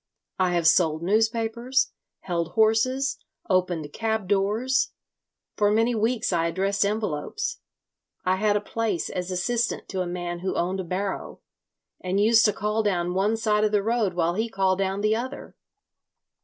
I have sold newspapers, held horses, opened cab doors. For many weeks I addressed envelopes. I had a place as assistant to a man who owned a barrow, and used to call down one side of the road while he called down the other.